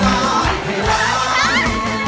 หาว